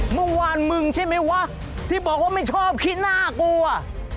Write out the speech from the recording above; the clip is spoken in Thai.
เมื่อวานมึงใช่ไหมวะที่บอกว่าไม่ชอบขี้น่ากลัว